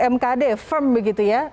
mkd firm begitu ya